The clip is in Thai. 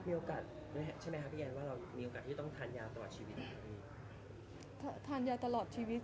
มีโอกาสใช่ไหมคะพี่แอนว่าเรามีโอกาสที่ต้องทานยาตลอดชีวิต